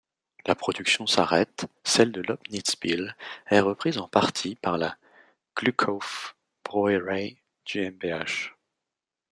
La production s'arrête, celle de Lößnitz-Pils est reprise en partie par la Glückauf-Brauerei GmbH.